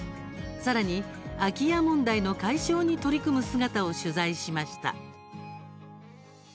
さらに、空き家問題の解消に取り組む姿を取材しました。